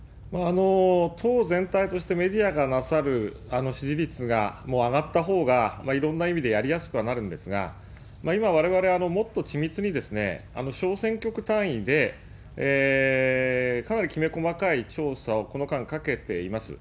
党全体としてメディアがなさるあの支持率がもう上がったほうがいろんな意味でやりやすくはなるんですが、今われわれ、もっと緻密に小選挙区単位で、かなりきめ細かい調査をこの間かけています。